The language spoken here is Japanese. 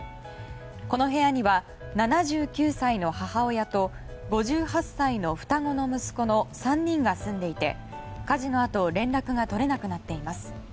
この部屋には７９歳の母親と５８歳の双子の息子の３人が住んでいて火事のあと連絡が取れなくなっています。